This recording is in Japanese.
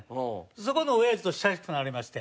そこのおやじと親しくなりまして。